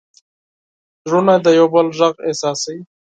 زړونه د یو بل غږ احساسوي.